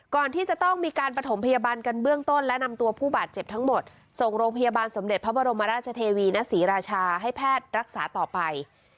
ก่อนที่จะต้องมีการประถมพยาบาลกันเบื้องต้นและนำตัวผู้บาดเจ็บทั้งหมดส่งโรงพยาบาลสมเด็จพระบรมราชเทวีณศรีราชาให้แพทย์รักษาต่อไป